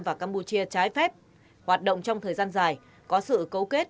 và campuchia trái phép hoạt động trong thời gian dài có sự cấu kết